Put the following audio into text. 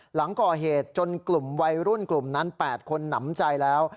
หลังก่อเหตุจนกลุ่มวัยรุ่นกลุ่มนั้น๘คนหนำใจแล้ว